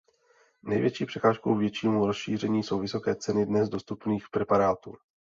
Největší překážkou většímu rozšíření jsou vysoké ceny dnes dostupných preparátů.